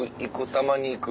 たまに行く？